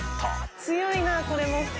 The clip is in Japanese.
強いなこれも。